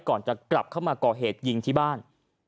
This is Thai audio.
ก่อนจะกลับเข้ามาก่อเหตุยิงที่บ้าน